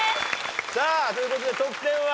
さあという事で得点は？